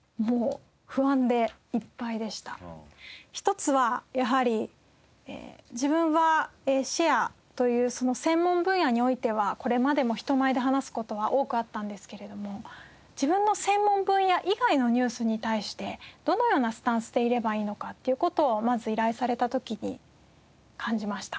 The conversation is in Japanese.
１つはやはり自分はシェアという専門分野においてはこれまでも人前で話す事は多くあったんですけれども自分の専門分野以外のニュースに対してどのようなスタンスでいればいいのかっていう事をまず依頼された時に感じました。